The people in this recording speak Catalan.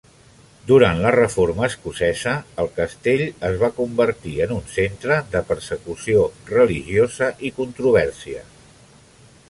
Durant la Reforma escocesa, el castell es va convertir en un centre de persecució religiosa i controvèrsia.